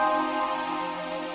aku ingin menganggurmu